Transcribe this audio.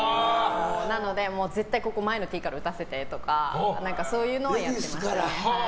なので、絶対に前のティーから打たせてとかそういうのをやってました。